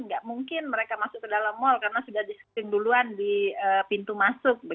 nggak mungkin mereka masuk ke dalam mal karena sudah di shifting duluan di pintu masuk